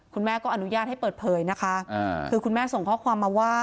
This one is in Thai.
คุณแม่ก็อนุญาตให้เปิดเผยนะคะคือคุณแม่ส่งข้อความมาว่า